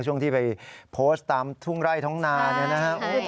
ช่วงที่ไปโพสต์ตามทุ่งไร่ท้องนาเนี่ยนะครับ